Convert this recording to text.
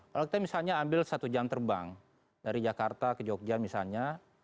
kalau kita misalnya ambil satu jam terbang dari jakarta ke jogja misalnya